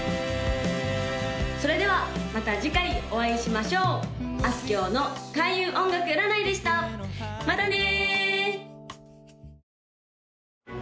・それではまた次回お会いしましょうあすきょうの開運音楽占いでしたまたね！